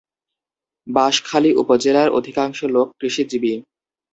বাঁশখালী উপজেলার অধিকাংশ লোক কৃষিজীবী।